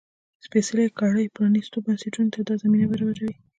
سپېڅلې کړۍ پرانيستو بنسټونو ته دا زمینه برابروي.